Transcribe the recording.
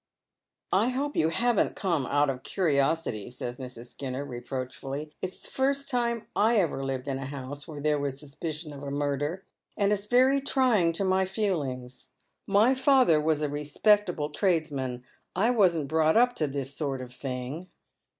" I hope you haven't come out of curiosity," says Mrs. Skinner, reproachfully. " It's the first time / ever lived in a house where there was suspicion of murder, and it's very tiying to my feel ings. My father was a respectable tradesman. I wasn't brought up to this sort of thing."